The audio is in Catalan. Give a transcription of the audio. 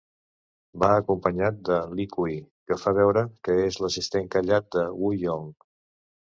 Va acompanyat de Li Kui, que fa veure que és l'assistent callat de Wu Yong.